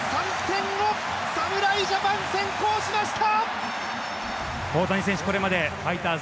侍ジャパン先行しました。